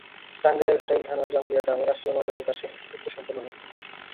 টাঙ্গাইলের ঘাটাইল থানার জামুরিয়া গ্রামে রাষ্ট্রীয় মর্যাদায় তাঁর শেষকৃত্য সম্পন্ন হয়েছে।